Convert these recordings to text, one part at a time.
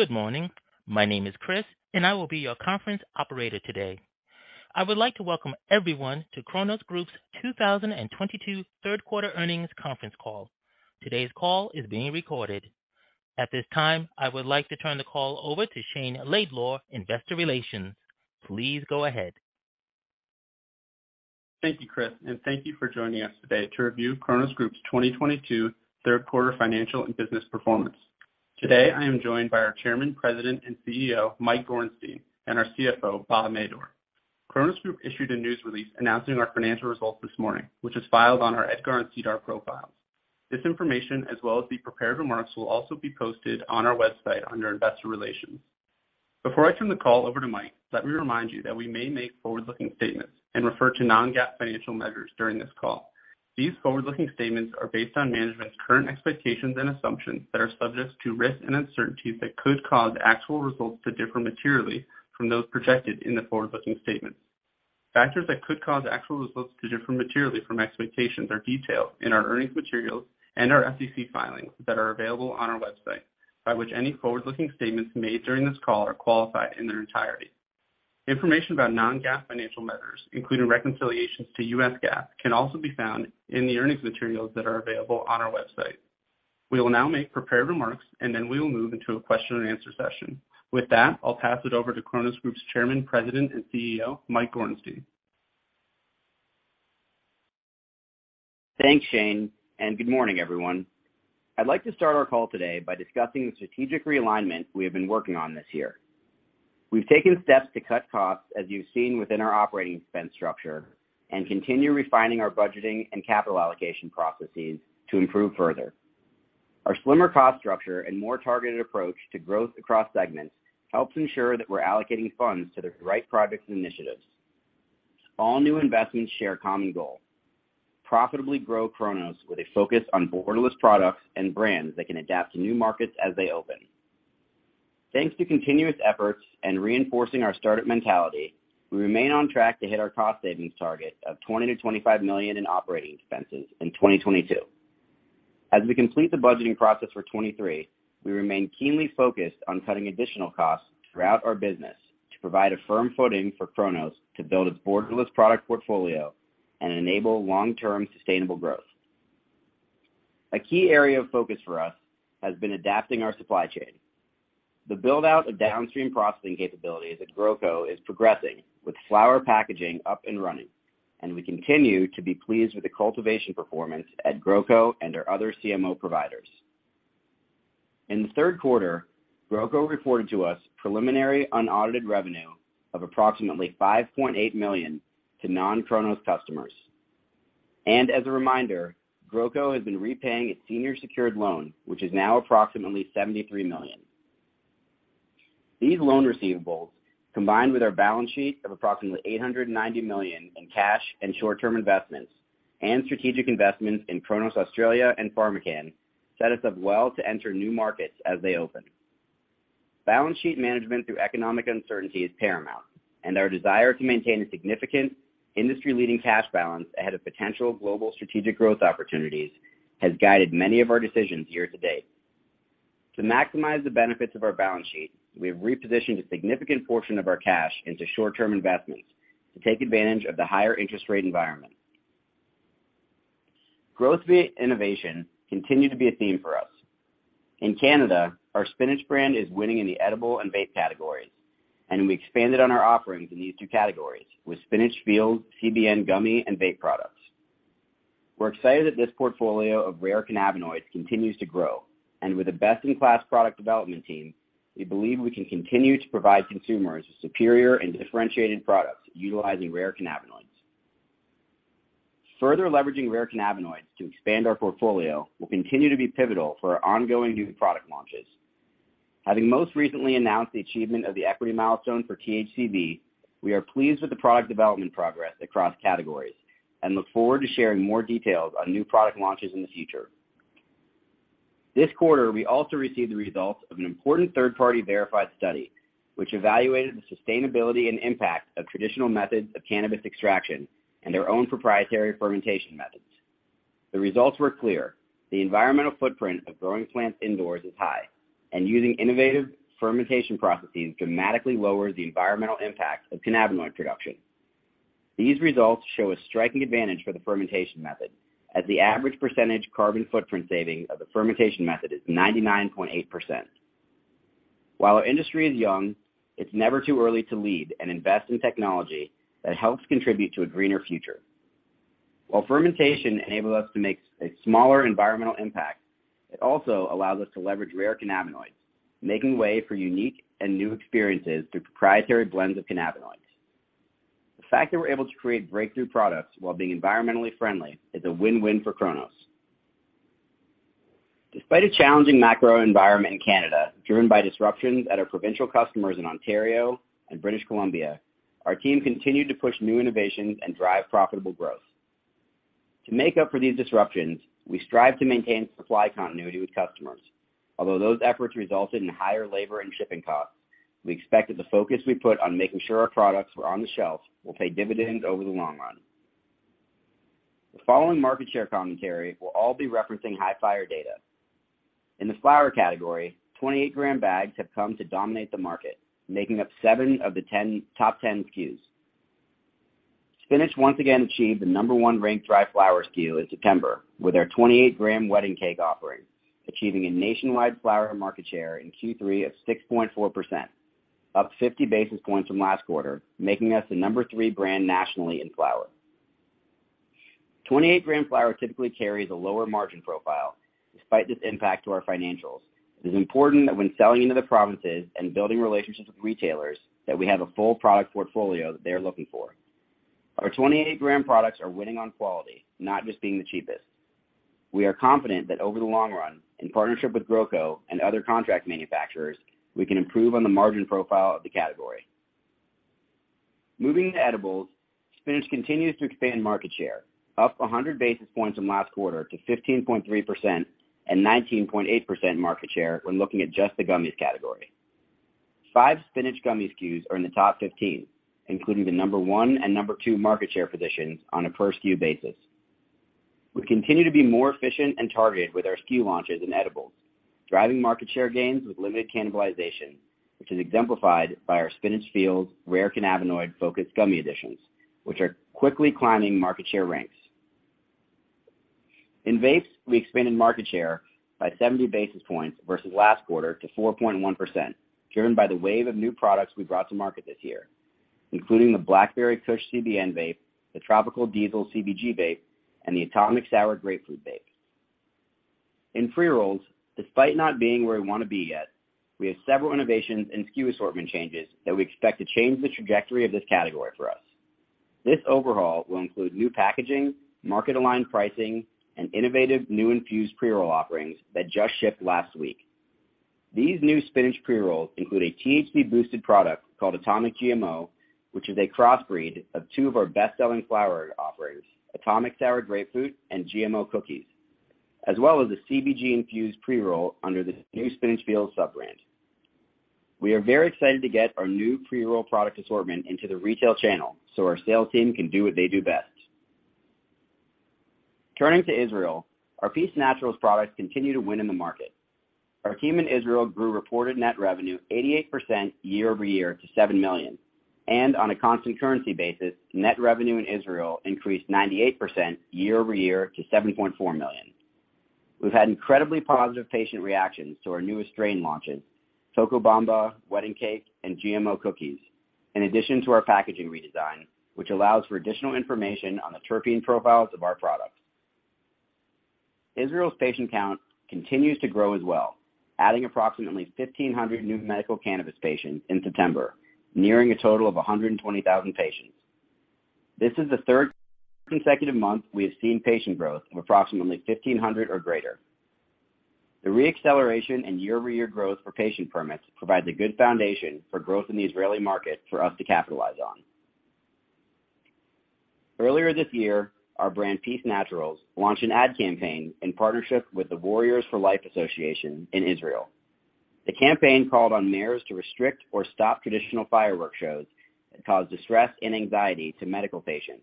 Good morning. My name is Chris, and I will be your conference operator today. I would like to welcome everyone to Cronos Group's 2022 third quarter earnings conference call. Today's call is being recorded. At this time, I would like to turn the call over to Shayne Laidlaw, investor relations. Please go ahead. Thank you, Chris, and thank you for joining us today to review Cronos Group's 2022 third quarter financial and business performance. Today, I am joined by our Chairman, President, and CEO, Mike Gorenstein, and our CFO, Bob Madore. Cronos Group issued a news release announcing our financial results this morning, which is filed on our EDGAR and SEDAR profiles. This information, as well as the prepared remarks, will also be posted on our website under Investor Relations. Before I turn the call over to Mike, let me remind you that we may make forward-looking statements and refer to non-GAAP financial measures during this call. These forward-looking statements are based on management's current expectations and assumptions that are subject to risks and uncertainties that could cause actual results to differ materially from those projected in the forward-looking statements. Factors that could cause actual results to differ materially from expectations are detailed in our earnings materials and our SEC filings that are available on our website, by which any forward-looking statements made during this call are qualified in their entirety. Information about non-GAAP financial measures, including reconciliations to U.S. GAAP, can also be found in the earnings materials that are available on our website. We will now make prepared remarks, and then we will move into a question and answer session. With that, I'll pass it over to Cronos Group's Chairman, President, and CEO, Mike Gorenstein. Thanks, Shayne, and good morning, everyone. I'd like to start our call today by discussing the strategic realignment we have been working on this year. We've taken steps to cut costs, as you've seen within our operating expense structure, and continue refining our budgeting and capital allocation processes to improve further. Our slimmer cost structure and more targeted approach to growth across segments helps ensure that we're allocating funds to the right projects and initiatives. All new investments share a common goal, profitably grow Cronos with a focus on borderless products and brands that can adapt to new markets as they open. Thanks to continuous efforts and reinforcing our startup mentality, we remain on track to hit our cost savings target of $20-$25 million in operating expenses in 2022. As we complete the budgeting process for 2023, we remain keenly focused on cutting additional costs throughout our business to provide a firm footing for Cronos to build its borderless product portfolio and enable long-term sustainable growth. A key area of focus for us has been adapting our supply chain. The build-out of downstream processing capabilities at GrowCo is progressing, with flower packaging up and running, and we continue to be pleased with the cultivation performance at GrowCo and our other CMO providers. In the third quarter, GrowCo reported to us preliminary unaudited revenue of approximately $5.8 million to non-Cronos customers. As a reminder, GrowCo has been repaying its senior secured loan, which is now approximately $73 million. These loan receivables, combined with our balance sheet of approximately $890 million in cash and short-term investments, and strategic investments in Cronos Australia and PharmaCann, set us up well to enter new markets as they open. Balance sheet management through economic uncertainty is paramount, and our desire to maintain a significant industry-leading cash balance ahead of potential global strategic growth opportunities has guided many of our decisions year to date. To maximize the benefits of our balance sheet, we have repositioned a significant portion of our cash into short-term investments to take advantage of the higher interest rate environment. Growth via innovation continued to be a theme for us. In Canada, our Spinach brand is winning in the edible and vape categories, and we expanded on our offerings in these two categories with Spinach FEELZ, CBN gummy, and vape products. We're excited that this portfolio of rare cannabinoids continues to grow, and with a best-in-class product development team, we believe we can continue to provide consumers with superior and differentiated products utilizing rare cannabinoids. Further leveraging rare cannabinoids to expand our portfolio will continue to be pivotal for our ongoing new product launches. Having most recently announced the achievement of the equity milestone for THCV, we are pleased with the product development progress across categories and look forward to sharing more details on new product launches in the future. This quarter, we also received the results of an important third-party verified study, which evaluated the sustainability and impact of traditional methods of cannabis extraction and their own proprietary fermentation methods. The results were clear. The environmental footprint of growing plants indoors is high, and using innovative fermentation processes dramatically lowers the environmental impact of cannabinoid production. These results show a striking advantage for the fermentation method, as the average percentage carbon footprint saving of the fermentation method is 99.8%. While our industry is young, it's never too early to lead and invest in technology that helps contribute to a greener future. While fermentation enables us to make a smaller environmental impact, it also allows us to leverage rare cannabinoids, making way for unique and new experiences through proprietary blends of cannabinoids. The fact that we're able to create breakthrough products while being environmentally friendly is a win-win for Cronos. Despite a challenging macro environment in Canada, driven by disruptions at our provincial customers in Ontario and British Columbia, our team continued to push new innovations and drive profitable growth. To make up for these disruptions, we strive to maintain supply continuity with customers. Although those efforts resulted in higher labor and shipping costs, we expect that the focus we put on making sure our products were on the shelves will pay dividends over the long run. The following market share commentary will all be referencing Hifyre data. In the flower category, 28-gram bags have come to dominate the market, making up seven of the top 10 SKUs. Spinach once again achieved the number one ranked dry flower SKU in September with our 28-gram Wedding Cake offering, achieving a nationwide flower market share in Q3 of 6.4%, up 50 basis points from last quarter, making us the number three brand nationally in flower. 28-gram flower typically carries a lower margin profile. Despite this impact to our financials, it is important that when selling into the provinces and building relationships with retailers, that we have a full product portfolio that they are looking for. Our 28-gram products are winning on quality, not just being the cheapest. We are confident that over the long run, in partnership with GrowCo and other contract manufacturers, we can improve on the margin profile of the category. Moving to edibles, Spinach continues to expand market share, up 100 basis points from last quarter to 15.3% and 19.8% market share when looking at just the gummies category. Five Spinach gummies SKUs are in the top 15, including the number one and number two market share positions on a per SKU basis. We continue to be more efficient and targeted with our SKU launches in edibles, driving market share gains with limited cannibalization, which is exemplified by our Spinach FEELZ rare cannabinoid-focused gummy editions, which are quickly climbing market share ranks. In vapes, we expanded market share by 70 basis points versus last quarter to 4.1%, driven by the wave of new products we brought to market this year, including the Blackberry Kush CBN vape, the Tropical Diesel CBG vape, and the Atomic Sour Grapefruit vape. In pre-rolls, despite not being where we want to be yet, we have several innovations and SKU assortment changes that we expect to change the trajectory of this category for us. This overhaul will include new packaging, market-aligned pricing, and innovative new infused pre-roll offerings that just shipped last week. These new Spinach pre-rolls include a THC-boosted product called Atomic GMO, which is a crossbreed of two of our best-selling flower offerings, Atomic Sour Grapefruit and GMO Cookies, as well as a CBG-infused pre-roll under the new Spinach FEELZ sub-brand. We are very excited to get our new pre-roll product assortment into the retail channel so our sales team can do what they do best. Turning to Israel, our Peace Naturals products continue to win in the market. Our reported net revenue in Israel grew 88% year-over-year to $7 million. On a constant currency basis, net revenue in Israel increased 98% year-over-year to $7.4 million. We've had incredibly positive patient reactions to our newest strain launches, Cocoa Bomba, Wedding Cake, and GMO Cookies, in addition to our packaging redesign, which allows for additional information on the terpene profiles of our products. Israel's patient count continues to grow as well, adding approximately 1,500 new medical cannabis patients in September, nearing a total of 120,000 patients. This is the third consecutive month we have seen patient growth of approximately 1,500 or greater. The re-acceleration in year-over-year growth for patient permits provides a good foundation for growth in the Israeli market for us to capitalize on. Earlier this year, our brand, Peace Naturals, launched an ad campaign in partnership with the Fighters for Life Association in Israel. The campaign called on mayors to restrict or stop traditional firework shows that cause distress and anxiety to medical patients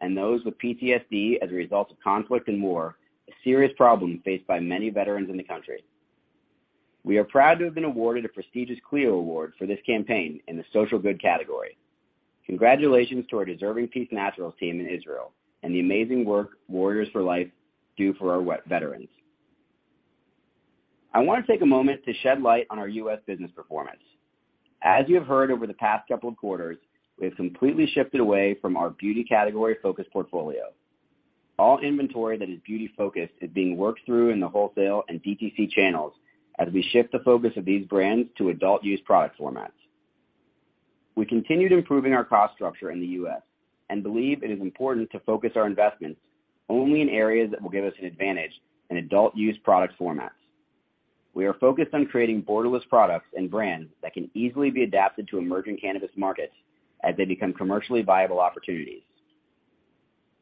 and those with PTSD as a result of conflict and war, a serious problem faced by many veterans in the country. We are proud to have been awarded a prestigious Clio Awards for this campaign in the social good category. Congratulations to our deserving Peace Naturals team in Israel and the amazing work Fighters for Life do for our veterans. I want to take a moment to shed light on our U.S. business performance. As you have heard over the past couple of quarters, we have completely shifted away from our beauty category-focused portfolio. All inventory that is beauty-focused is being worked through in the wholesale and DTC channels as we shift the focus of these brands to adult-use product formats. We continued improving our cost structure in the U.S. and believe it is important to focus our investments only in areas that will give us an advantage in adult-use product formats. We are focused on creating borderless products and brands that can easily be adapted to emerging cannabis markets as they become commercially viable opportunities.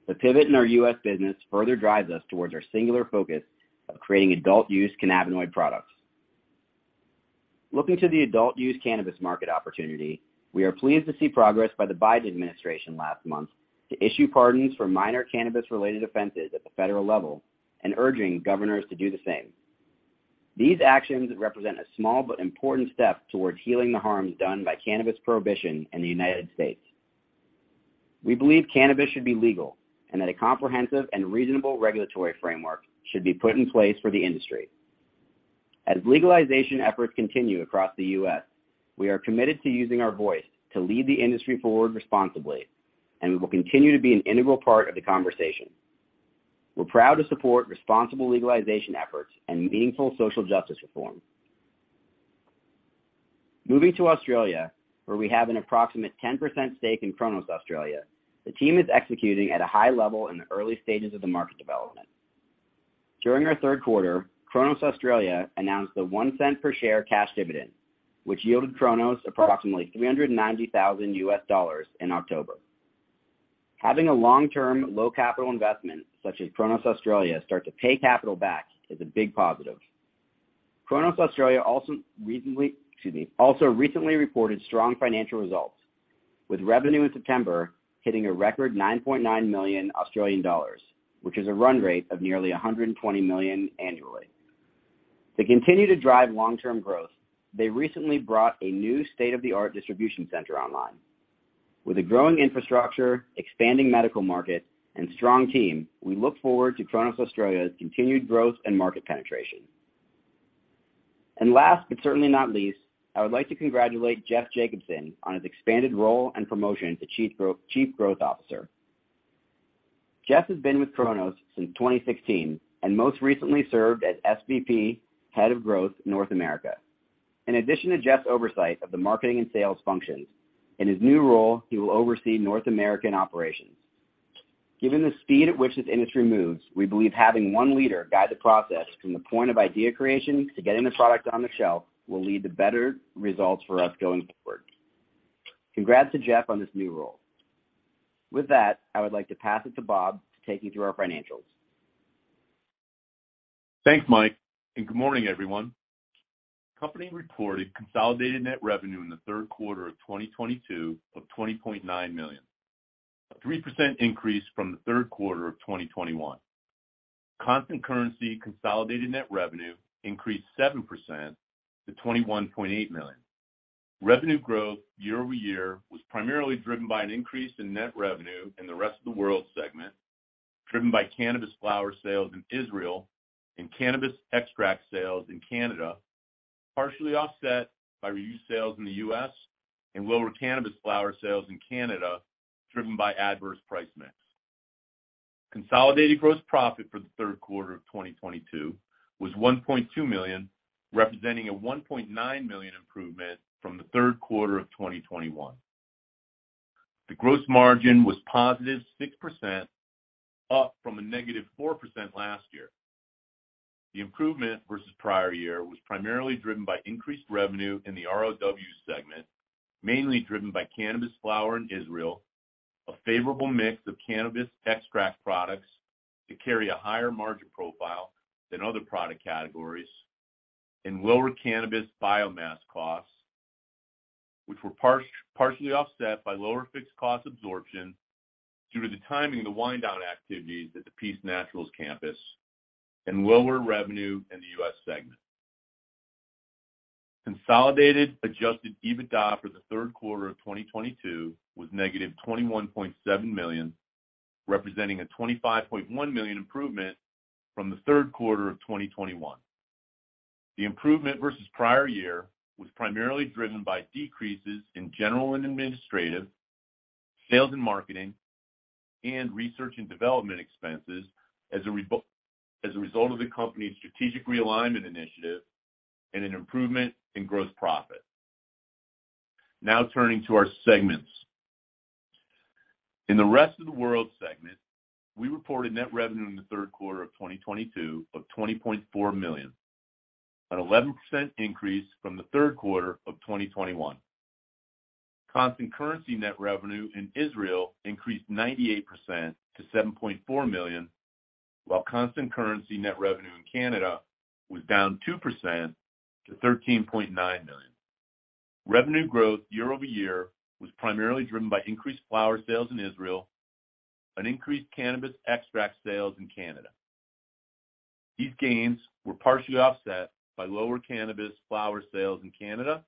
The pivot in our U.S. business further drives us towards our singular focus of creating adult-use cannabinoid products. Looking to the adult-use cannabis market opportunity, we are pleased to see progress by the Biden administration last month to issue pardons for minor cannabis-related offenses at the federal level and urging governors to do the same. These actions represent a small but important step towards healing the harms done by cannabis prohibition in the United States. We believe cannabis should be legal and that a comprehensive and reasonable regulatory framework should be put in place for the industry. As legalization efforts continue across the U.S., we are committed to using our voice to lead the industry forward responsibly, and we will continue to be an integral part of the conversation. We're proud to support responsible legalization efforts and meaningful social justice reform. Moving to Australia, where we have an approximate 10% stake in Cronos Australia, the team is executing at a high level in the early stages of the market development. During our third quarter, Cronos Australia announced a one cent per share cash dividend, which yielded Cronos approximately $390,000 in October. Having a long-term low capital investment such as Cronos Australia start to pay capital back is a big positive. Cronos Australia also recently reported strong financial results, with revenue in September hitting a record 9.9 million Australian dollars, which is a run rate of nearly 120 million annually. To continue to drive long-term growth, they recently brought a new state-of-the-art distribution center online. With a growing infrastructure, expanding medical market and strong team, we look forward to Cronos Australia's continued growth and market penetration. Last but certainly not least, I would like to congratulate Jeff Jacobson on his expanded role and promotion to Chief Growth Officer. Jeff has been with Cronos since 2016 and most recently served as SVP, Head of Growth, North America. In addition to Jeff's oversight of the marketing and sales functions, in his new role, he will oversee North American operations. Given the speed at which this industry moves, we believe having one leader guide the process from the point of idea creation to getting the product on the shelf will lead to better results for us going forward. Congrats to Jeff on this new role. With that, I would like to pass it to Bob to take you through our financials. Thanks, Mike, and good morning, everyone. Company reported consolidated net revenue in the third quarter of 2022 of $20.9 million, a 3% increase from the third quarter of 2021. Constant currency consolidated net revenue increased 7% to $21.8 million. Revenue growth year over year was primarily driven by an increase in net revenue in the rest of the world segment, driven by cannabis flower sales in Israel and cannabis extract sales in Canada, partially offset by reduced sales in the US and lower cannabis flower sales in Canada, driven by adverse price mix. Consolidated gross profit for the third quarter of 2022 was $1.2 million, representing a $1.9 million improvement from the third quarter of 2021. The gross margin was positive 6%, up from a negative 4% last year. The improvement versus prior year was primarily driven by increased revenue in the ROW segment, mainly driven by cannabis flower in Israel, a favorable mix of cannabis extract products to carry a higher margin profile than other product categories, and lower cannabis biomass costs, which were partially offset by lower fixed cost absorption due to the timing of the wind-down activities at the Peace Naturals campus and lower revenue in the US segment. Consolidated adjusted EBITDA for the third quarter of 2022 was negative $21.7 million, representing a $25.1 million improvement from the third quarter of 2021. The improvement versus prior year was primarily driven by decreases in general and administrative, sales and marketing, and research and development expenses as a result of the company's strategic realignment initiative and an improvement in gross profit. Now turning to our segments. In the rest of the world segment, we reported net revenue in the third quarter of 2022 of $20.4 million, an 11% increase from the third quarter of 2021. Constant currency net revenue in Israel increased 98% to $7.4 million, while constant currency net revenue in Canada was down 2% to $13.9 million. Revenue growth year-over-year was primarily driven by increased flower sales in Israel and increased cannabis extract sales in Canada. These gains were partially offset by lower cannabis flower sales in Canada,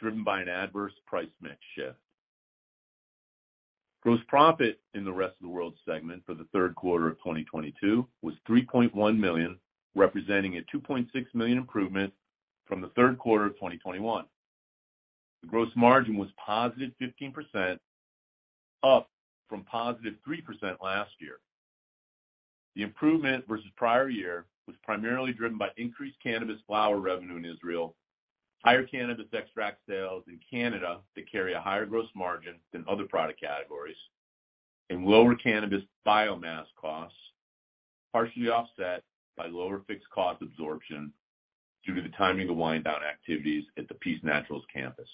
driven by an adverse price mix shift. Gross profit in the rest of the world segment for the third quarter of 2022 was $3.1 million, representing a $2.6 million improvement from the third quarter of 2021. The gross margin was positive 15%, up from positive 3% last year. The improvement versus prior year was primarily driven by increased cannabis flower revenue in Israel, higher cannabis extract sales in Canada that carry a higher gross margin than other product categories, and lower cannabis biomass costs, partially offset by lower fixed cost absorption due to the timing of wind down activities at the Peace Naturals campus.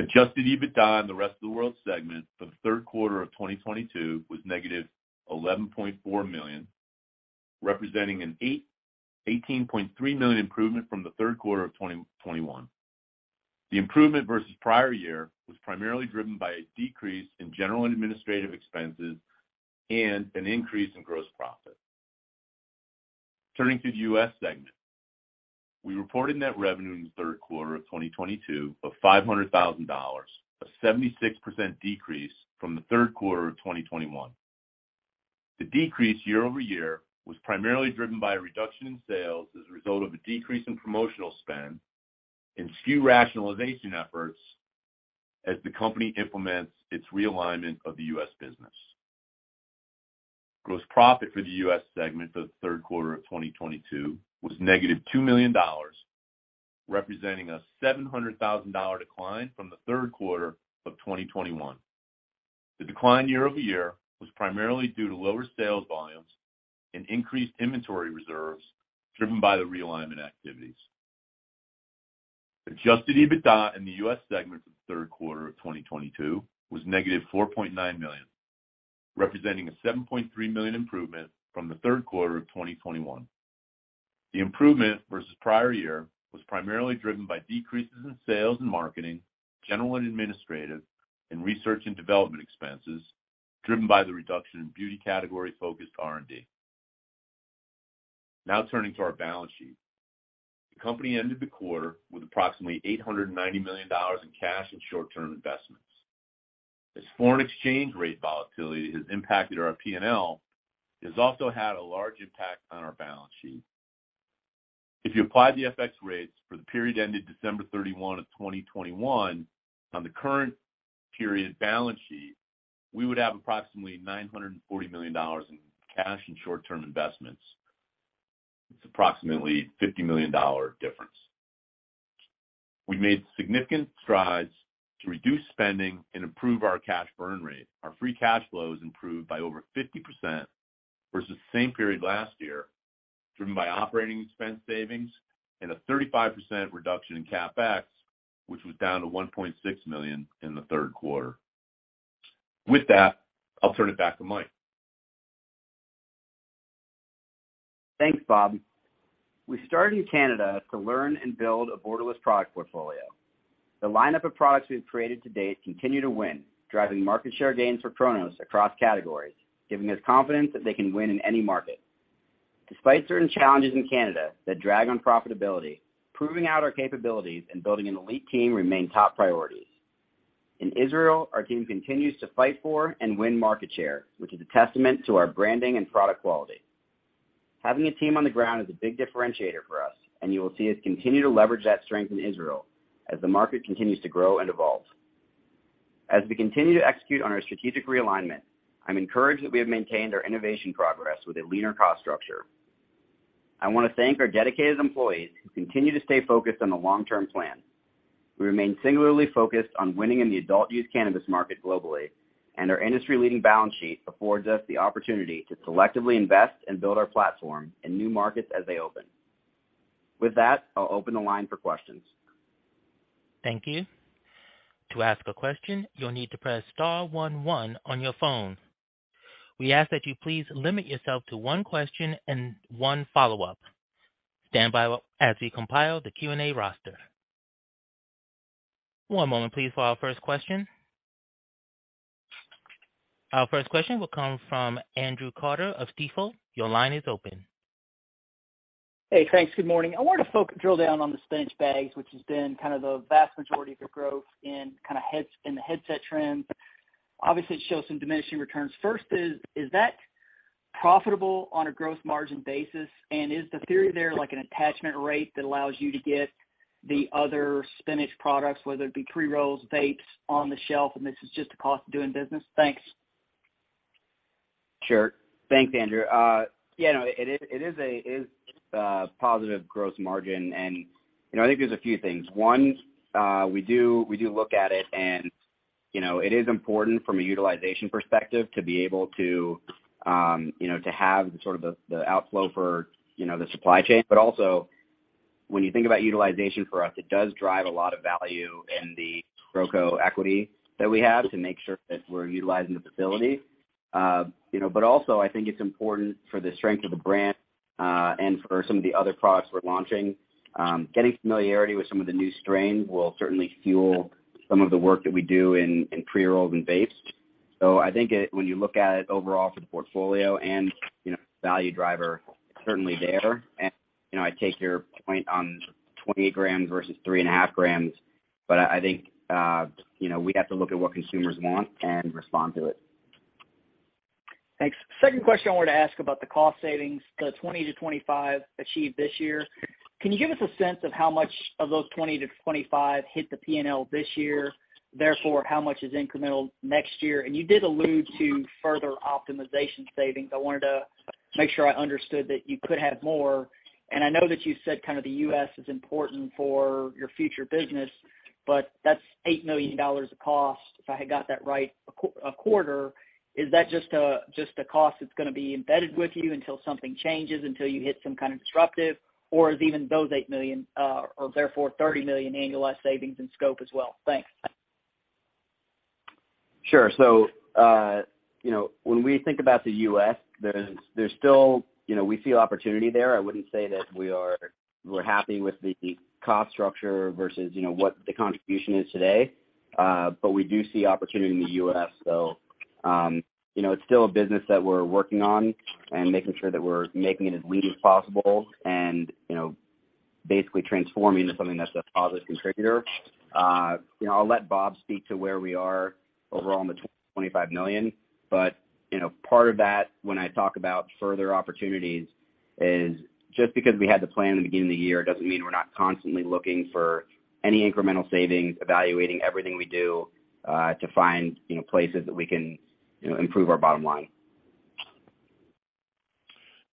Adjusted EBITDA in the rest of the world segment for the third quarter of 2022 was -$11.4 million, representing an $18.3 million improvement from the third quarter of 2021. The improvement versus prior year was primarily driven by a decrease in general and administrative expenses and an increase in gross profit. Turning to the US segment. We reported net revenue in the third quarter of 2022 of $500, 000, a 76% decrease from the third quarter of 2021. The decrease year-over-year was primarily driven by a reduction in sales as a result of a decrease in promotional spend and SKU rationalization efforts as the company implements its realignment of the U.S. business. Gross profit for the U.S. segment for the third quarter of 2022 was -$2 million, representing a $700, 000 decline from the third quarter of 2021. The decline year-over-year was primarily due to lower sales volumes and increased inventory reserves driven by the realignment activities. Adjusted EBITDA in the U.S. segment for the third quarter of 2022 was -$4.9 million, representing a $7.3 million improvement from the third quarter of 2021. The improvement versus prior year was primarily driven by decreases in sales and marketing, general and administrative, and research and development expenses, driven by the reduction in beauty category-focused R&D. Now turning to our balance sheet. The company ended the quarter with approximately $890 million in cash and short-term investments. As foreign exchange rate volatility has impacted our P&L, it has also had a large impact on our balance sheet. If you apply the FX rates for the period ending December 31, 2021 on the current period balance sheet, we would have approximately $940 million in cash and short-term investments. It's approximately $50 million difference. We made significant strides to reduce spending and improve our cash burn rate. Our free cash flows improved by over 50% versus the same period last year, driven by operating expense savings and a 35% reduction in CapEx, which was down to $1.6 million in the third quarter. With that, I'll turn it back to Mike. Thanks, Bob. We started in Canada to learn and build a borderless product portfolio. The lineup of products we've created to date continue to win, driving market share gains for Cronos across categories, giving us confidence that they can win in any market. Despite certain challenges in Canada that drag on profitability, proving out our capabilities and building an elite team remain top priorities. In Israel, our team continues to fight for and win market share, which is a testament to our branding and product quality. Having a team on the ground is a big differentiator for us, and you will see us continue to leverage that strength in Israel as the market continues to grow and evolve. As we continue to execute on our strategic realignment, I'm encouraged that we have maintained our innovation progress with a leaner cost structure. I wanna thank our dedicated employees who continue to stay focused on the long-term plan. We remain singularly focused on winning in the adult use cannabis market globally, and our industry-leading balance sheet affords us the opportunity to selectively invest and build our platform in new markets as they open. With that, I'll open the line for questions. Thank you. To ask a question, you'll need to press star one one on your phone. We ask that you please limit yourself to one question and one follow-up. Stand by as we compile the Q&A roster. One moment please for our first question. Our first question will come from Andrew Carter of Stifel. Your line is open. Hey, thanks. Good morning. I wanted to drill down on the Spinach bags, which has been kind of the vast majority of your growth in kind of heads, in the headset trend. Obviously, it shows some diminishing returns. First is that profitable on a gross margin basis? And is the theory there like an attachment rate that allows you to get the other Spinach products, whether it be pre-rolls, vapes on the shelf, and this is just the cost of doing business? Thanks. Sure. Thanks, Andrew. It is a positive gross margin. You know, I think there's a few things. We do look at it, and you know, it is important from a utilization perspective to be able to to have sort of the outflow for the supply chain. But also when you think about utilization for us, it does drive a lot of value in the Cronos equity that we have to make sure that we're utilizing the facility. You know, but also I think it's important for the strength of the brand, and for some of the other products we're launching. Getting familiarity with some of the new strains will certainly fuel some of the work that we do in pre-rolled and vapes. I think it when you look at it overall for the portfolio and, you know, value driver, it's certainly there. I take your point on 28 grams versus 3.5 grams, but I think, you know, we have to look at what consumers want and respond to it. Thanks. Second question I wanted to ask about the cost savings, the 20-25 achieved this year. Can you give us a sense of how much of those 20-25 hit the P&L this year, therefore, how much is incremental next year? You did allude to further optimization savings. I wanted to make sure I understood that you could have more. I know that you said kind of the U.S. is important for your future business, but that's $8 million a cost, if I got that right, a quarter. Is that just a cost that's gonna be embedded with you until something changes, until you hit some kind of disruptive, or is even those $8 million, or therefore $30 million annualized savings in scope as well? Thanks. Sure. You know, when we think about the U.S., there's still, you know, we see opportunity there. I wouldn't say that we're happy with the cost structure versus, you know, what the contribution is today. But we do see opportunity in the U.S. still. You know, it's still a business that we're working on and making sure that we're making it as lean as possible and, you know, basically transforming into something that's a positive contributor. You know, I'll let Bob speak to where we are overall on the $25 million. You know, part of that when I talk about further opportunities is just because we had the plan in the beginning of the year doesn't mean we're not constantly looking for any incremental savings, evaluating everything we do, to find, you know, places that we can, you know, improve our bottom line.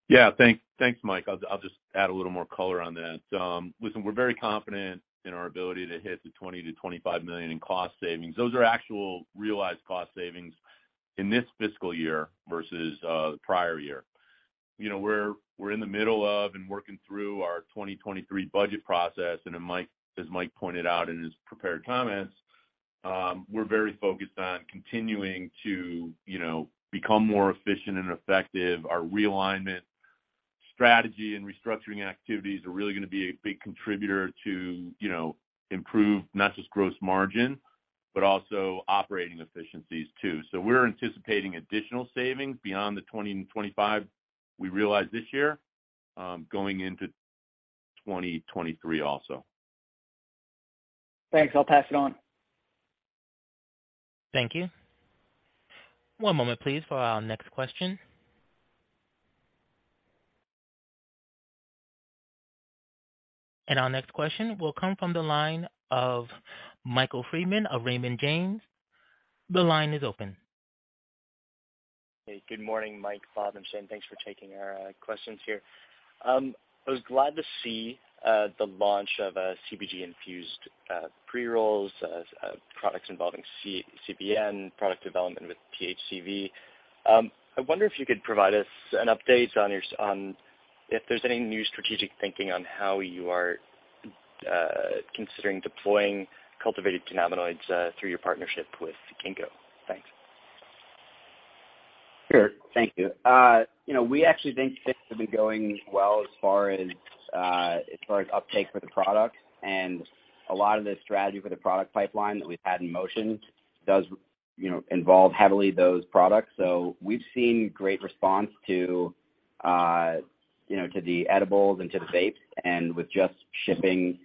Yeah. Thanks, Mike. I'll just add a little more color on that. Listen, we're very confident in our ability to hit the $20 million-$25 million in cost savings. Those are actual realized cost savings in this fiscal year versus the prior year. You know, we're in the middle of and working through our 2023 budget process. Then Mike, as Mike pointed out in his prepared comments, we're very focused on continuing to, you know, become more efficient and effective. Our realignment strategy and restructuring activities are really gonna be a big contributor to, you know, improve not just gross margin but also operating efficiencies too. We're anticipating additional savings beyond the $20 and $25 we realized this year, going into 2023 also. Thanks. I'll pass it on. Thank you. One moment please for our next question. Our next question will come from the line of Michael Freeman of Raymond James. The line is open. Hey, good morning, Mike, Bob. I'm saying thanks for taking our questions here. I was glad to see the launch of CBG infused pre-rolls, products involving CBN, product development with THCV. I wonder if you could provide us an update on if there's any new strategic thinking on how you are considering deploying cultivated cannabinoids through your partnership with Ginkgo. Thanks. Sure. Thank you. You know, we actually think things have been going well as far as uptake for the product. A lot of the strategy for the product pipeline that we've had in motion does, you know, involve heavily those products. We've seen great response to, you know, to the edibles and to the vapes. With just shipping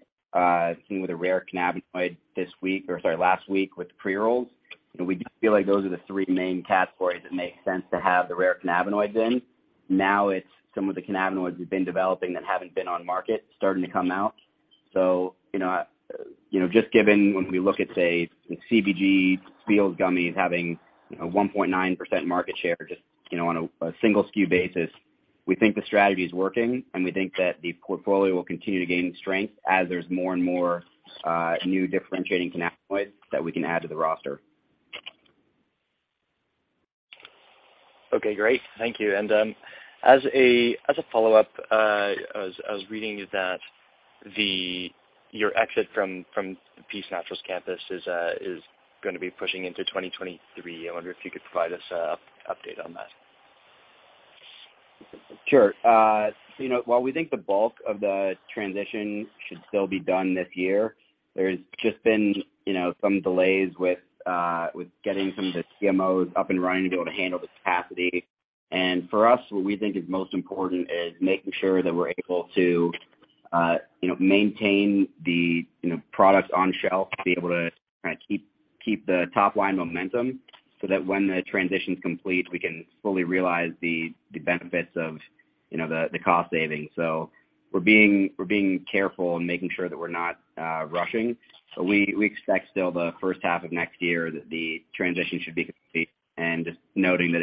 with a rare cannabinoid this week or, sorry, last week with pre-rolls, you know, we feel like those are the three main categories that make sense to have the rare cannabinoids in. Now it's some of the cannabinoids we've been developing that haven't been on market starting to come out. You know, just given when we look at, say, CBG FEELZ gummies having a 1.9% market share just, you know, on a single SKU basis, we think the strategy is working, and we think that the portfolio will continue to gain strength as there's more and more new differentiating cannabinoids that we can add to the roster. Okay, great. Thank you. As a follow-up, I was reading that your exit from the Peace Naturals campus is gonna be pushing into 2023. I wonder if you could provide us an update on that. Sure. You know, while we think the bulk of the transition should still be done this year, there's just been you know, some delays with getting some of the CMOs up and running to be able to handle the capacity. For us, what we think is most important is making sure that we're able to you know, maintain the you know, products on shelf to be able to kinda keep the top line momentum so that when the transition's complete, we can fully realize the benefits of you know, the cost savings. We're being careful in making sure that we're not rushing. We expect still the first half of next year that the transition should be complete. Just noting that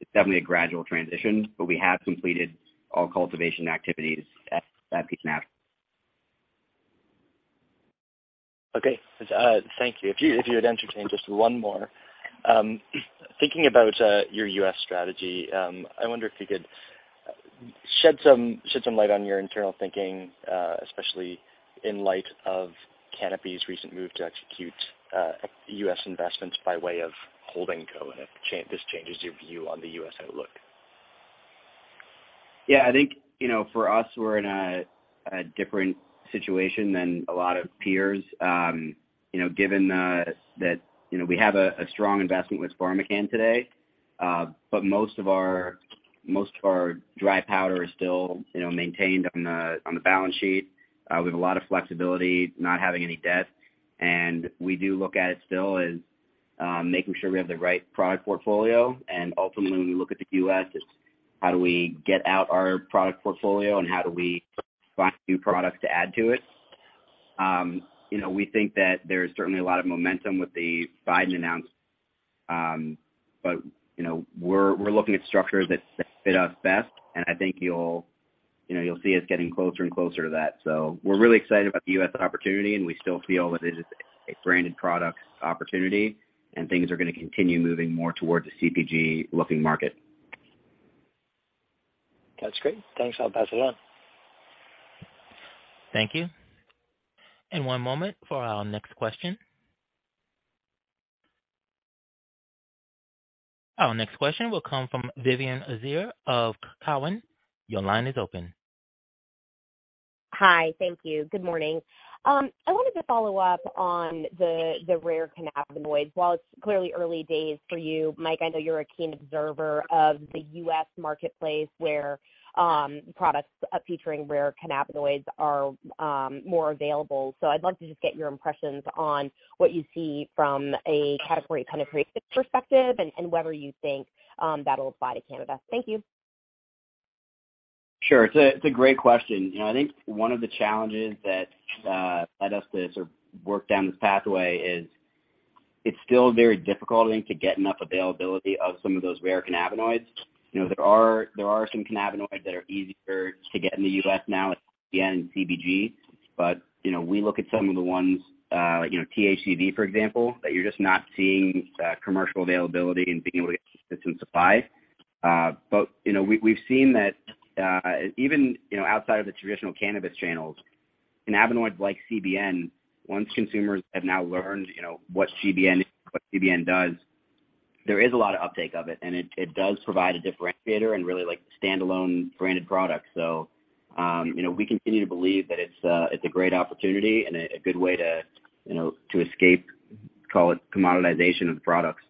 it's definitely a gradual transition, but we have completed all cultivation activities at Peace Naturals. Okay. Thank you. If you would entertain just one more. Thinking about your U.S. strategy, I wonder if you could shed some light on your internal thinking, especially in light of Canopy's recent move to execute U.S. investments by way of holdco, and if this changes your view on the U.S. outlook. Yeah, I think you know, for us, we're in a different situation than a lot of peers, you know, given that you know, we have a strong investment with PharmaCann today. But most of our dry powder is still you know, maintained on the balance sheet. We have a lot of flexibility not having any debt, and we do look at it still as making sure we have the right product portfolio. Ultimately, when we look at the U.S., it's how do we get out our product portfolio and how do we find new products to add to it. You know, we think that there's certainly a lot of momentum with the Biden announcement, but, you know, we're looking at structures that fit us best, and I think you'll, you know, you'll see us getting closer and closer to that. We're really excited about the U.S. opportunity, and we still feel that it is a branded product opportunity and things are gonna continue moving more towards a CPG looking market. That's great. Thanks. I'll pass it on. Thank you. One moment for our next question. Our next question will come from Vivien Azer of Cowen. Your line is open. Hi. Thank you. Good morning. I wanted to follow up on the rare cannabinoids. While it's clearly early days for you, Mike, I know you're a keen observer of the U.S. marketplace where products featuring rare cannabinoids are more available. I'd like to just get your impressions on what you see from a category kind of creative perspective and whether you think that'll apply to Canada. Thank you. Sure. It's a great question. You know, I think one of the challenges that led us to sort of work down this pathway is it's still very difficult I think to get enough availability of some of those rare cannabinoids. You know, there are some cannabinoids that are easier to get in the U.S. now. Again, CBG. You know, we look at some of the ones, you know, THCV, for example, that you're just not seeing commercial availability and being able to get consistent supply. You know, we've seen that, even, you know, outside of the traditional cannabis channels, in cannabinoids like CBN, once consumers have now learned, you know, what CBN is, what CBN does, there is a lot of uptake of it, and it does provide a differentiator and really like standalone branded products. You know, we continue to believe that it's a great opportunity and a good way to, you know, to escape, call it commoditization of the products.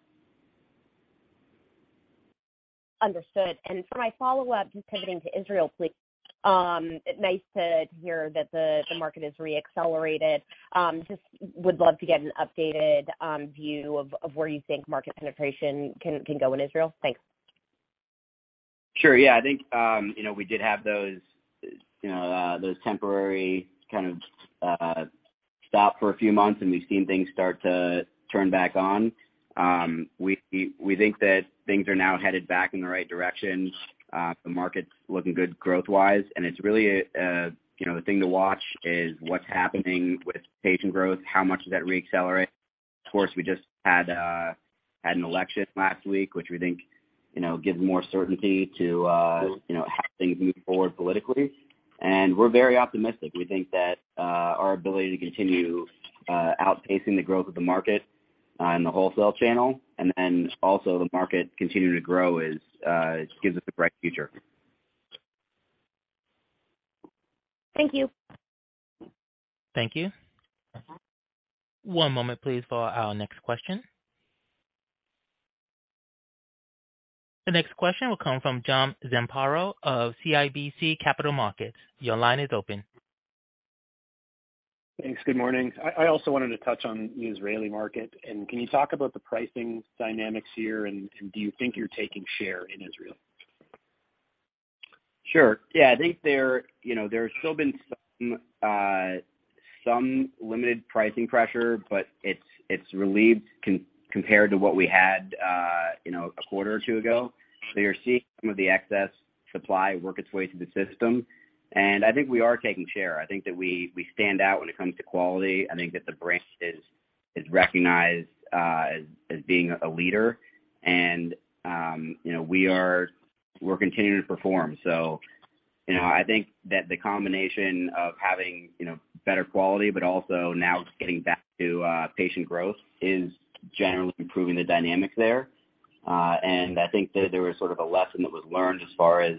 Understood. For my follow-up, just pivoting to Israel, please. Nice to hear that the market is re-accelerated. Just would love to get an updated view of where you think market penetration can go in Israel. Thanks. Sure. Yeah. I think, you know, we did have those, you know, those temporary kind of stop for a few months, and we've seen things start to turn back on. We think that things are now headed back in the right direction. The market's looking good growth-wise, and it's really, you know, the thing to watch is what's happening with patient growth, how much does that re-accelerate. Of course, we just had an election last week, which we think, you know, gives more certainty to, you know, how things move forward politically. We're very optimistic. We think that our ability to continue outpacing the growth of the market in the wholesale channel and then also the market continuing to grow gives us a bright future. Thank you. Thank you. One moment please for our next question. The next question will come from John Zamparo of CIBC Capital Markets. Your line is open. Thanks. Good morning. I also wanted to touch on the Israeli market. Can you talk about the pricing dynamics here and do you think you're taking share in Israel? Sure. Yeah. I think there, you know, there's still been some limited pricing pressure, but it's relieved compared to what we had, you know, a quarter or two ago. You're seeing some of the excess supply work its way through the system. I think we are taking share. I think that we stand out when it comes to quality. I think that the brand is recognized as being a leader. You know, we're continuing to perform. You know, I think that the combination of having better quality, but also now getting back to patient growth is generally improving the dynamics there. I think that there was sort of a lesson that was learned as far as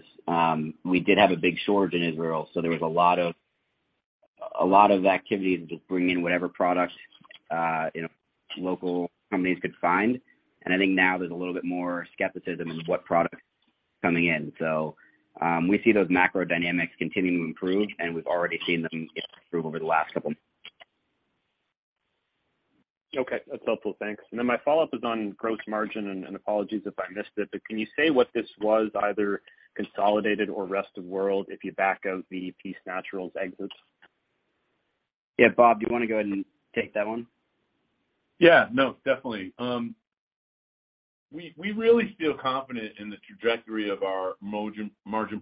we did have a big shortage in Israel, so there was a lot of activity to just bring in whatever products, you know, local companies could find. I think now there's a little bit more skepticism in what products coming in. We see those macro dynamics continuing to improve, and we've already seen them improve over the last couple. Okay. That's helpful. Thanks. My follow-up is on gross margin, and apologies if I missed it, but can you say what this was either consolidated or rest of world if you back out the Peace Naturals exits? Yeah. Bob, do you wanna go ahead and take that one? Yeah. No, definitely. We really feel confident in the trajectory of our margin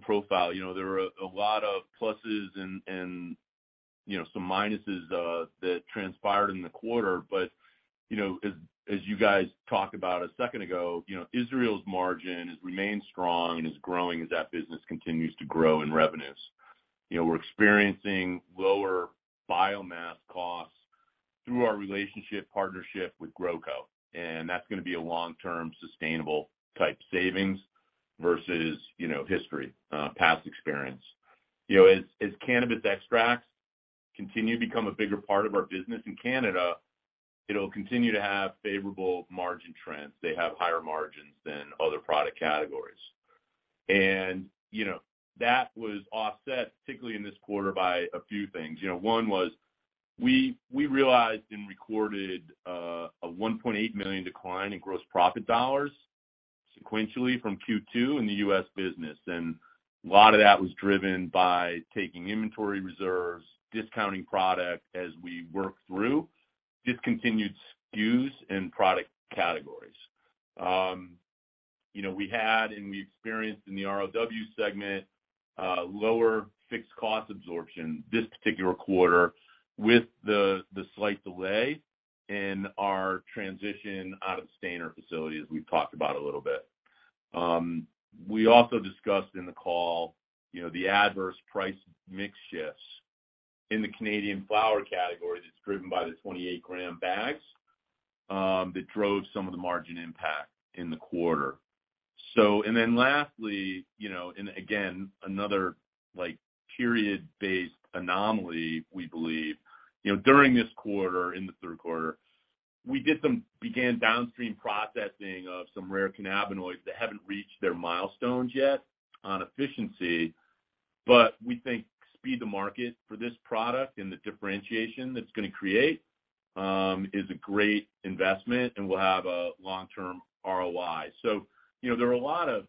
profile. You know, there were a lot of pluses and, you know, some minuses that transpired in the quarter. You know, as you guys talked about a second ago, you know, Israel's margin has remained strong and is growing as that business continues to grow in revenues. You know, we're experiencing lower biomass costs through our relationship partnership with GrowCo, and that's gonna be a long-term sustainable type savings versus, you know, history, past experience. You know, as cannabis extracts continue to become a bigger part of our business in Canada, it'll continue to have favorable margin trends. They have higher margins than other product categories. You know, that was offset, particularly in this quarter, by a few things. You know, one was, we realized and recorded a $1.8 million decline in gross profit dollars sequentially from Q2 in the U.S. business. A lot of that was driven by taking inventory reserves, discounting product as we work through discontinued SKUs and product categories. You know, we experienced in the ROW segment lower fixed cost absorption this particular quarter with the slight delay in our transition out of Stayner facility, as we've talked about a little bit. We also discussed in the call, you know, the adverse price mix shifts in the Canadian flower category that's driven by the 28-gram bags that drove some of the margin impact in the quarter. Lastly, you know, and again, another like period-based anomaly, we believe. You know, during this quarter, in the third quarter, we began downstream processing of some rare cannabinoids that haven't reached their milestones yet on efficiency. We think speed to market for this product and the differentiation that it's gonna create is a great investment and will have a long-term ROI. You know, there are a lot of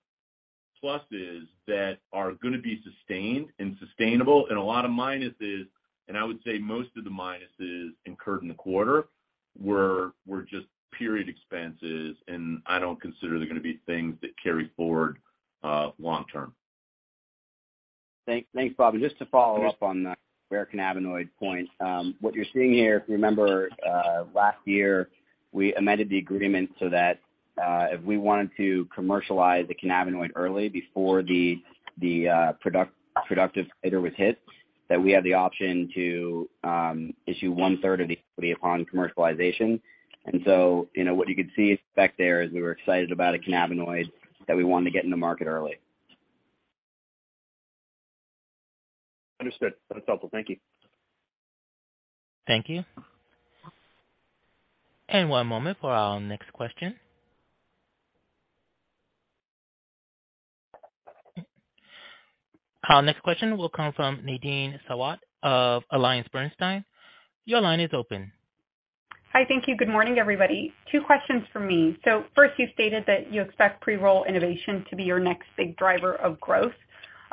pluses that are gonna be sustained and sustainable and a lot of minuses, and I would say most of the minuses incurred in the quarter were just period expenses, and I don't consider they're gonna be things that carry forward long term. Thanks. Thanks, Bob. Just to follow up on the rare cannabinoid point, what you're seeing here, if you remember, last year, we amended the agreement so that, if we wanted to commercialize the cannabinoid early before the production target was hit, that we had the option to issue 1/3 of the equity upon commercialization. You know, what you could see effect there is we were excited about a cannabinoid that we wanted to get in the market early. Understood. That's helpful. Thank you. Thank you. One moment for our next question. Our next question will come from Nadine Sarwat of AllianceBernstein. Your line is open. Hi. Thank you. Good morning, everybody. Two questions from me. First, you stated that you expect pre-roll innovation to be your next big driver of growth.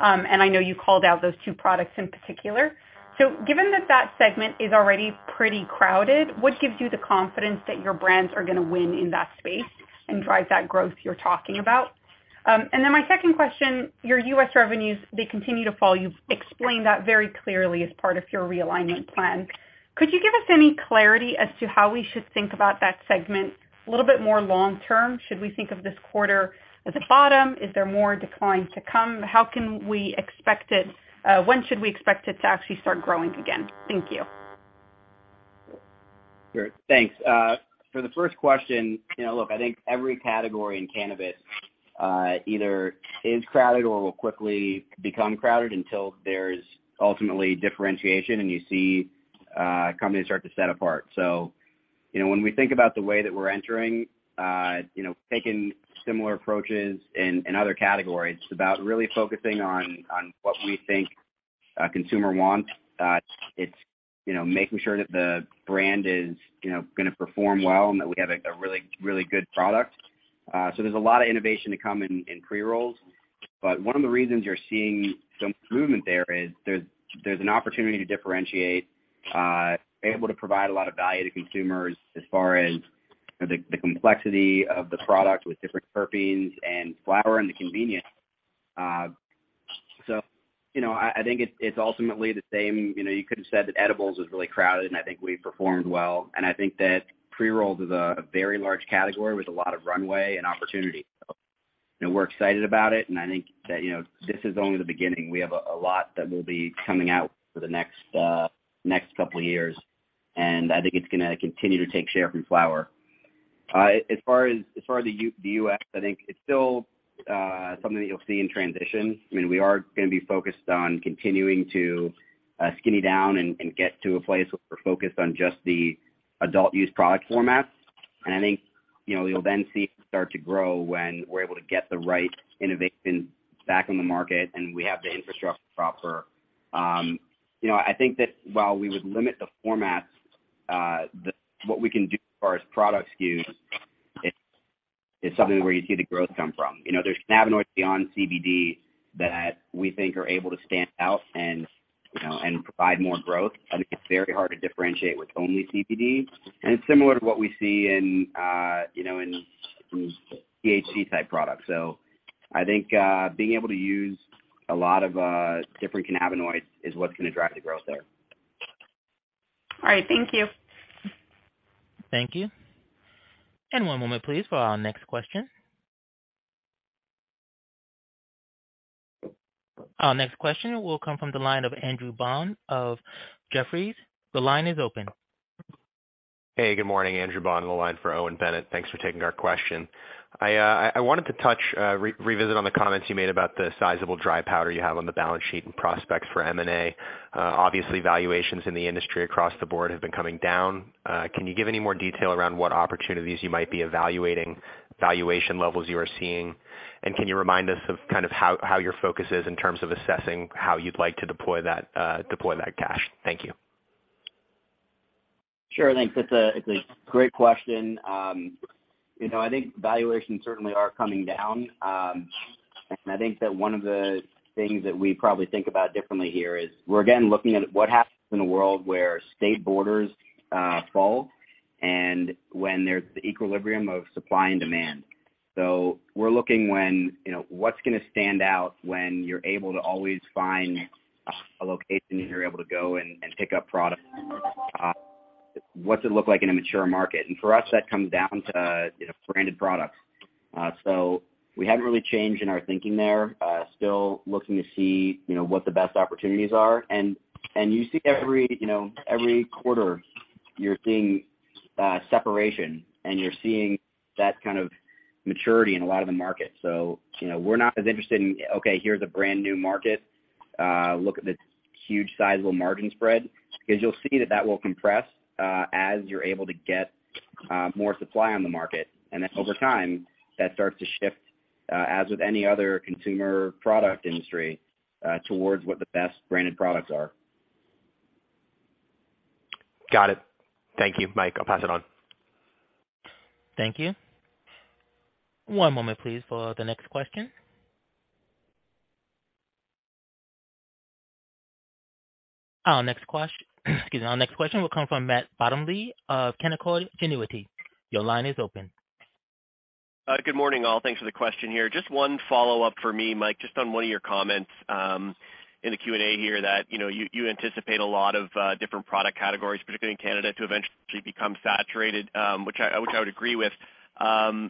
I know you called out those two products in particular. Given that that segment is already pretty crowded, what gives you the confidence that your brands are gonna win in that space and drive that growth you're talking about? Then my second question, your U.S. revenues, they continue to fall. You've explained that very clearly as part of your realignment plan. Could you give us any clarity as to how we should think about that segment a little bit more long-term? Should we think of this quarter as a bottom? Is there more decline to come? When should we expect it to actually start growing again? Thank you. Sure. Thanks. For the first question, you know, look, I think every category in cannabis either is crowded or will quickly become crowded until there's ultimately differentiation and you see companies start to set apart. You know, when we think about the way that we're entering, you know, taking similar approaches in other categories, it's about really focusing on what we think a consumer wants. It's, you know, making sure that the brand is, you know, gonna perform well and that we have a really good product. There's a lot of innovation to come in pre-rolls. One of the reasons you're seeing some movement there is there's an opportunity to differentiate, able to provide a lot of value to consumers as far as, you know, the complexity of the product with different terpenes and flower and the convenience. So, you know, I think it's ultimately the same. You know, you could have said that edibles was really crowded, and I think we performed well. I think that pre-rolls is a very large category with a lot of runway and opportunity. You know, we're excited about it, and I think that, you know, this is only the beginning. We have a lot that will be coming out for the next couple of years, and I think it's gonna continue to take share from flower. As far as the U.S., I think it's still something that you'll see in transition. I mean, we are gonna be focused on continuing to skinny down and get to a place where we're focused on just the adult use product formats. I think, you know, you'll then see it start to grow when we're able to get the right innovation back in the market and we have the infrastructure proper. You know, I think that while we would limit the formats, what we can do as far as product SKUs, it's something where you'd see the growth come from. You know, there's cannabinoids beyond CBD that we think are able to stand out and provide more growth. I think it's very hard to differentiate with only CBD, and it's similar to what we see in, you know, THC type products. I think being able to use a lot of different cannabinoids is what's gonna drive the growth there. All right. Thank you. Thank you. One moment please for our next question. Our next question will come from the line of Andrew Bond of Jefferies. The line is open. Hey, good morning. Andrew Bond, on the line for Owen Bennett. Thanks for taking our question. I wanted to touch on, revisit the comments you made about the sizable dry powder you have on the balance sheet and prospects for M&A. Obviously, valuations in the industry across the board have been coming down. Can you give any more detail around what opportunities you might be evaluating, valuation levels you are seeing? Can you remind us of kind of how your focus is in terms of assessing how you'd like to deploy that cash? Thank you. Sure. Thanks. It's a great question. You know, I think valuations certainly are coming down. I think that one of the things that we probably think about differently here is we're again looking at what happens in a world where state borders fall and when there's the equilibrium of supply and demand. We're looking when, you know, what's gonna stand out when you're able to always find a location and you're able to go and pick up product. What's it look like in a mature market? For us, that comes down to, you know, branded products. We haven't really changed in our thinking there. Still looking to see, you know, what the best opportunities are. You see every, you know, every quarter, you're seeing separation, and you're seeing that kind of maturity in a lot of the markets. You know, we're not as interested in, okay, here's a brand-new market, look at this huge sizable margin spread. Because you'll see that will compress, as you're able to get more supply on the market. Over time, that starts to shift, as with any other consumer product industry, towards what the best branded products are. Got it. Thank you, Mike. I'll pass it on. Thank you. One moment please for the next question. Our next question will come from Matt Bottomley of Canaccord Genuity. Your line is open. Good morning, all. Thanks for the question here. Just one follow-up for me, Mike, just on one of your comments in the Q&A here that, you know, you anticipate a lot of different product categories, particularly in Canada, to eventually become saturated, which I would agree with.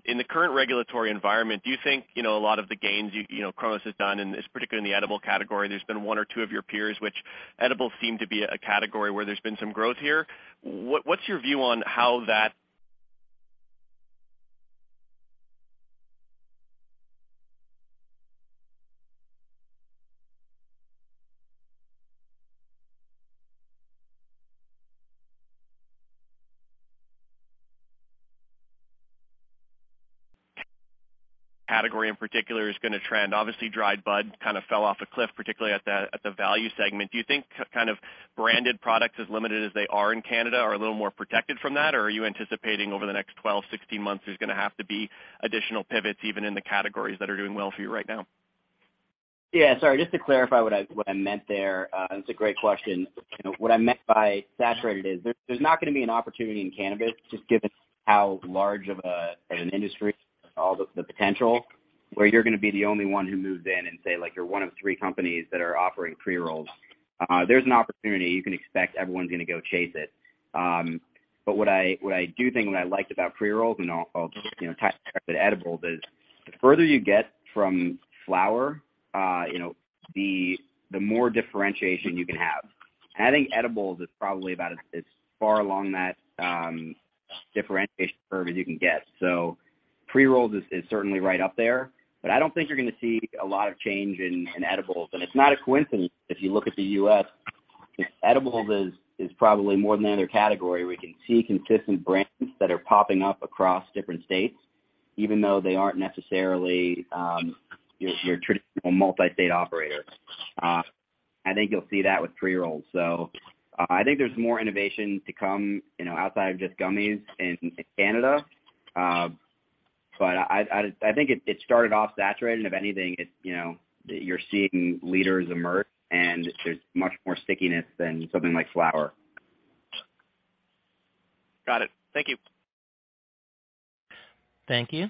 In the current regulatory environment, do you think, you know, a lot of the gains you know, Cronos has done in this, particularly in the edible category, there's been one or two of your peers which edibles seem to be a category where there's been some growth here. What's your view on how that category in particular is gonna trend. Obviously, dried bud kind of fell off a cliff, particularly at the value segment. Do you think kind of branded products, as limited as they are in Canada, are a little more protected from that, or are you anticipating over the next 12, 16 months, there's gonna have to be additional pivots, even in the categories that are doing well for you right now? Yeah. Sorry. Just to clarify what I meant there, that's a great question. You know, what I meant by saturated is there's not gonna be an opportunity in cannabis, just given how large of an industry, all the potential, where you're gonna be the only one who moves in and say, like, you're one of three companies that are offering pre-rolls. There's an opportunity. You can expect everyone's gonna go chase it. But what I do think, what I liked about pre-rolls and also, you know, type of edibles is the further you get from flower, you know, the more differentiation you can have. I think edibles is probably about as far along that differentiation curve as you can get. Pre-rolls is certainly right up there, but I don't think you're gonna see a lot of change in edibles. It's not a coincidence, if you look at the U.S., edibles is probably more than the other category. We can see consistent brands that are popping up across different states, even though they aren't necessarily your traditional multi-state operator. I think you'll see that with pre-rolls. I think there's more innovation to come, you know, outside of just gummies in Canada. I think it started off saturated. If anything, it's, you know, you're seeing leaders emerge, and there's much more stickiness than something like flower. Got it. Thank you. Thank you.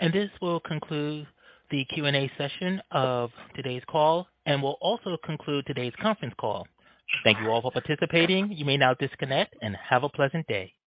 This will conclude the Q&A session of today's call and will also conclude today's conference call. Thank you all for participating. You may now disconnect and have a pleasant day. Thank you.